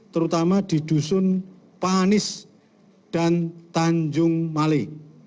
terutama di dusun panis dan tanjung mali